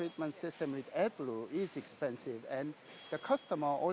karena sistem pengawasan dengan air blu ini mahal